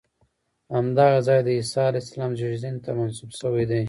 همدغه ځای د عیسی علیه السلام زېږېدنې ته منسوب شوی دی.